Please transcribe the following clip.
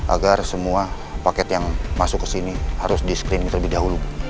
agar semua paket yang masuk ke sini harus di screening terlebih dahulu